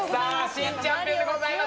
新チャンピオンでございます。